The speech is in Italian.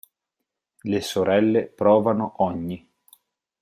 Le sorelle provano ogni.